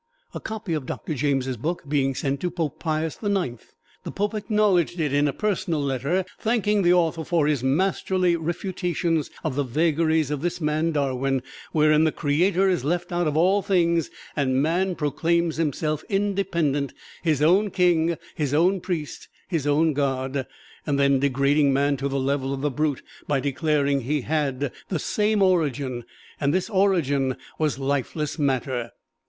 A copy of Doctor James' book being sent to Pope Pius the Ninth, the Pope acknowledged it in a personal letter, thanking the author for his "masterly refutations of the vagaries of this man Darwin, wherein the Creator is left out of all things and man proclaims himself independent, his own king, his own priest, his own God then degrading man to the level of the brute by declaring he had the same origin, and this origin was lifeless matter.